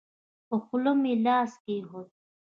په خوله مې لاس کېښود.